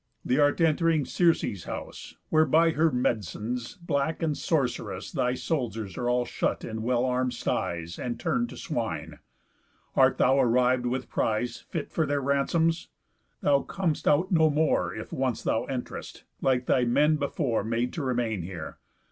Th' art ent'ring Circe's house, Where, by her med'cines, black, and sorcerous, Thy soldiers all are shut in well arm'd styes, And turn'd to swine. Art thou arriv'd with prize Fit for their ransoms? Thou com'st out no more, If once thou ent'rest, like thy men before Made to remain here.